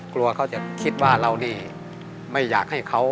กลัวเขาจะคิดว่าเรานี่ไม่อยากให้เขา